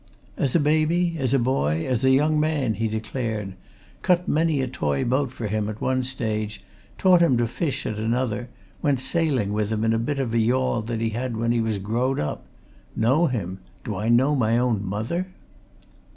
"As a baby as a boy as a young man," he declared. "Cut many a toy boat for him at one stage, taught him to fish at another, went sailing with him in a bit of a yawl that he had when he was growed up. Know him? Did I know my own mother!"